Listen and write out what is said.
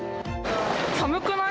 寒くない？